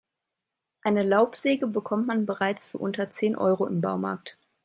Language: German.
Eine Laubsäge bekommt man bereits für unter zehn Euro im Baumarkt.